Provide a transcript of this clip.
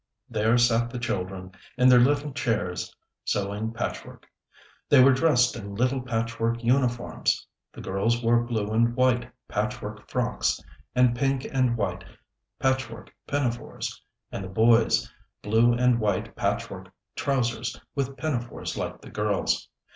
There sat the children, in their little chairs, sewing patchwork. They were dressed in little patchwork uniforms; the girls wore blue and white patchwork frocks and pink and white patchwork pinafores, and the boys blue and white patchwork trousers, with pinafores like the girls.